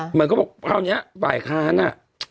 เหมือนเขาบอกคราวนี้ฝ่ายค้านอ่ะ